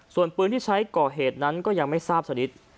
ส่วนปืนที่ใช้ก่อเหตุนั้นก็ยังไม่ทราบชนิด